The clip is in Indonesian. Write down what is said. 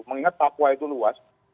mengingat papua itu luas